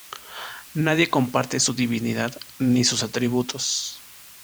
Nadie comparte su Divinidad, ni sus Atributos.